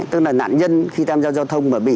tức là nạn nhân khi tham gia giao thông mà bị